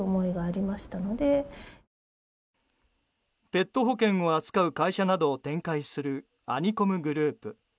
ペット保険を扱う会社などを展開するアニコムグループ。